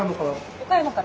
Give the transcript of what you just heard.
岡山から？